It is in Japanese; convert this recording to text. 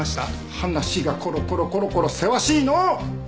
話がコロコロコロコロせわしいのう！